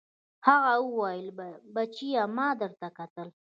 هغه وويل بچيه ما درته کتل.